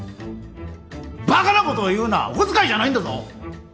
バカなことを言うなお小遣いじゃないんだぞ